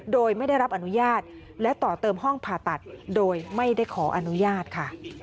โดยไม่ได้รับอนุญาตและต่อเติมห้องผ่าตัดโดยไม่ได้ขออนุญาตค่ะ